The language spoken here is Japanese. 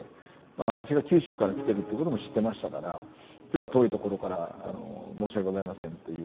私が九州から来てるってことも知ってましたから「今日は遠いところから申し訳ございません」っていう。